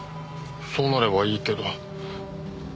そうなればいいけど。